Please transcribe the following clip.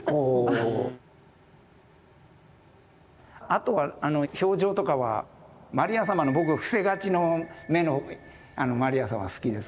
あとは表情とかはマリア様の僕伏せがちの目のマリア様が好きですけど。